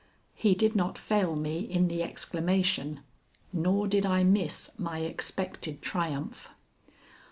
He did not fail me in the exclamation, nor did I miss my expected triumph.